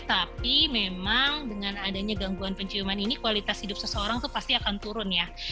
tapi memang dengan adanya gangguan penciuman ini kualitas hidup seseorang itu pasti akan turun ya